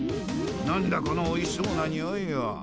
何だこのおいしそうなにおいは。